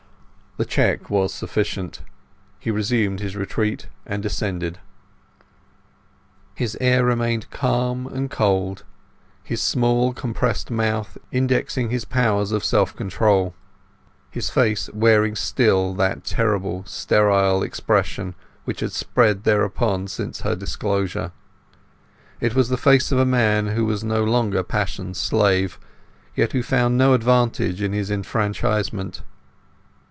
The check was sufficient. He resumed his retreat and descended. His air remained calm and cold, his small compressed mouth indexing his powers of self control; his face wearing still that terrible sterile expression which had spread thereon since her disclosure. It was the face of a man who was no longer passion's slave, yet who found no advantage in his enfranchisement.